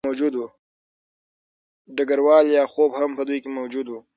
ډګروال لیاخوف هم په دوی کې موجود و